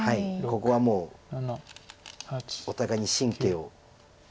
ここはもうお互いに神経を。